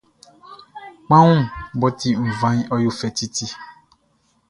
Kpanwun mʼɔ ti nvanʼn, ɔ yo fɛ titi.